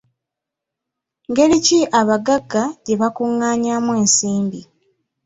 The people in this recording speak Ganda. Ngeri ki abagagga gye bakungaanyaamu ensimbi?